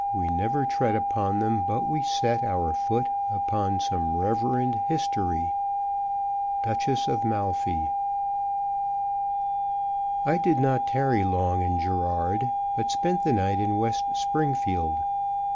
We never tread upon them but we set Our foot upon some reverend history. Duchess of Malfy. I did not tarry long in Girard, but spent the night in West Springfield.